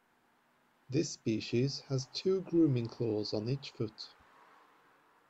This species has two grooming claws on each foot.